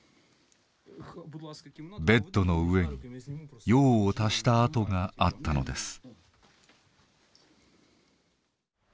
ベッドの上に用を足した跡があったのです。